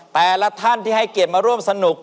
แต่ละท่านที่ให้เกียรติมาร่วมสนุก